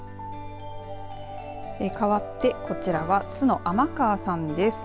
かわってこちらは津の天川さんです。